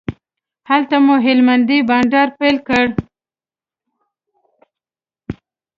هلته مو هلمندی بانډار پیل کړ.